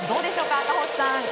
赤星さん。